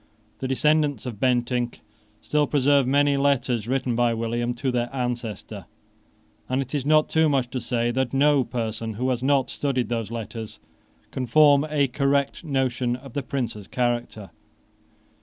The descendants of Bentinck still preserve many letters written by William to their ancestor: and it is not too much to say that no person who has not studied those letters can form a correct notion of the Prince's character.